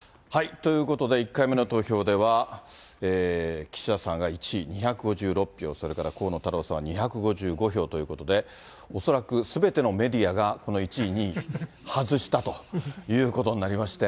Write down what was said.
ということで、１回目の投票では、岸田さんが１位２５６票、それから河野太郎さんは２５５票ということで、恐らくすべてのメディアがこの１位、２位、外したということになりまして。